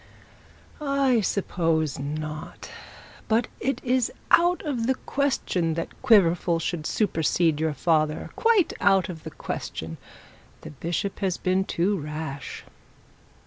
'I suppose not. But it is out of the question that Quiverful should supersede your father quite out of the question. The bishop has been too rash.